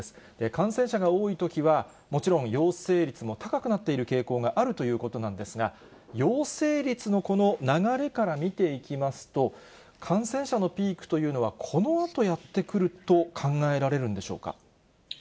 感染者が多いときは、もちろん陽性率も高くなっている傾向があるということなんですが、陽性率のこの流れから見ていきますと、感染者のピークというのは、このあとやって来ると考えられるんでしょうか。